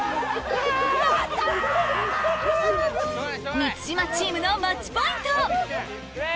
満島チームのマッチポイント・プレー！